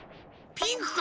ピンクか？